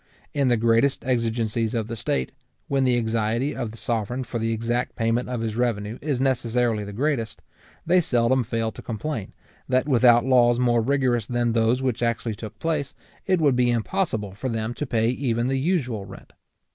In the greatest exigencies of the state, when the anxiety of the sovereign for the exact payment of his revenue is necessarily the greatest, they seldom fail to complain, that without laws more rigorous than those which actually took place, it will be impossible for them to pay even the usual rent.